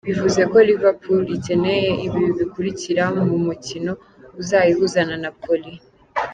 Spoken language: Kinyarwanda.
Bivuze ko Liverpool icyeneye ibi bikurikira mu mukino uzayihuza na Napoli:.